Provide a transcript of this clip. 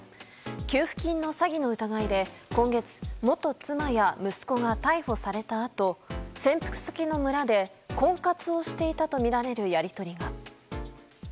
給付金の詐欺の疑いで今月、元妻や息子が逮捕されたあと潜伏先の村で婚活をしていたとみられるやり取りが。